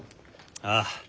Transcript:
ああ。